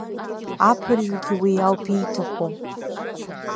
Аԥырҩгьы уи ауп ииҭаху!